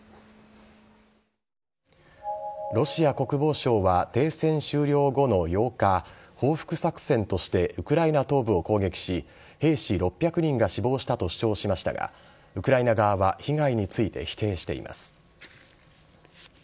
ロシア国防省は停戦終了後の８日、報復作戦としてウクライナ東部を攻撃し、兵士６００人が死亡したと主張しましたが、ウクライナ側は被害について否定しています。